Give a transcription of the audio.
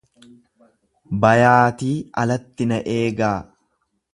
Bayaatii alatti na eegaa.